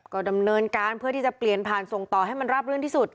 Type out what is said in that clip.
ก็ดำเนินการเพื่อที่จะเปลี่ยนผ่านส่งต่อให้มันราบรื่นที่สุด